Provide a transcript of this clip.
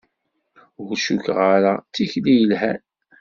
Ur cukkeɣ ara d tikti yelhan.